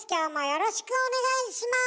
よろしくお願いします！